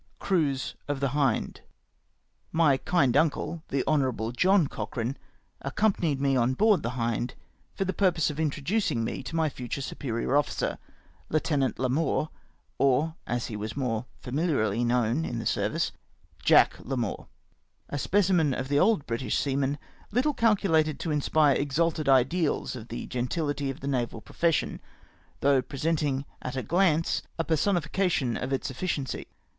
TRAINING OF OFFICERS. My kind uncle, the Hon. John Cochrane, accompanied me on board the Hind for the pm^pose of introducing me to my futiu e superior officer, Lieutenant Larmour, or, as he was more famiharly known in the service, Jack Larmour — a specimen of the old British seaman, little calculated to inspire exalted ideas of the gentihty of the naval profession, though presenting at a glance a personification of its efficiency.